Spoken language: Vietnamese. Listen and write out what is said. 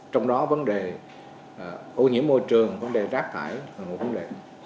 trong đó vấn đề ô nhiễm môi trường vấn đề rác thải là nguồn vấn đề